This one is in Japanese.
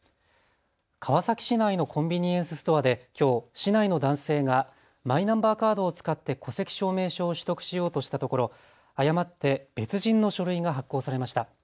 川崎市内のコンビニエンスストアで、きょう市内の男性がマイナンバーカードを使って戸籍証明書を取得しようとしたところ誤って別人の書類が発行されました。